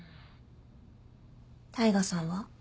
大牙さんは？